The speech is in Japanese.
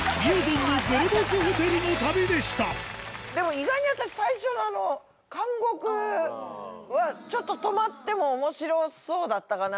意外に私最初のあの監獄はちょっと泊まっても面白そうだったかなっていう。